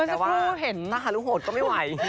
แต่ว่าถ้าหารุโหดก็ไม่ไหว